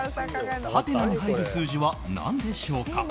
はてなに入る数字は何でしょうか。